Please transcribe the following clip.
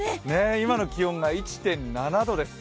今の気温が１．７度です。